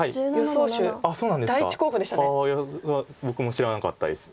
僕も知らなかったです。